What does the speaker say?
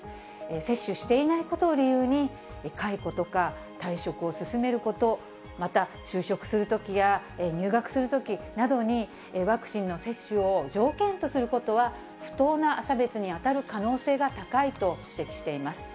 接種していないことを理由に、解雇とか、退職を勧めること、また就職するときや入学するときなどに、ワクチンの接種を条件とすることは、不当な差別に当たる可能性が高いと指摘しています。